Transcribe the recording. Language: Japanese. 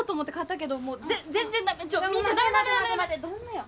どんなよ。